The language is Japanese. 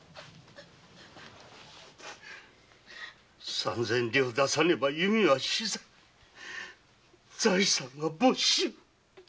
三千両出さねば由美は死罪財産は没収。